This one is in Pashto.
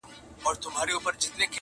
دوه او درې ځله غوټه سو په څپو کي!.